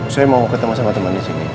saya mau ketemu sama teman disini